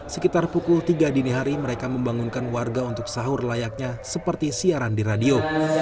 sekitar pukul tiga dini hari mereka membangunkan warga untuk sahur layaknya seperti siaran di radio